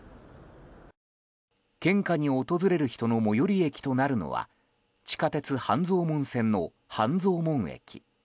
献花に訪れる人の最寄り駅となるのは地下鉄半蔵門線の半蔵門駅。